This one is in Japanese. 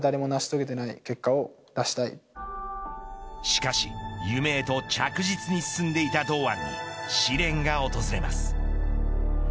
しかし夢へと着実に進んでいた堂安に試練が訪れます。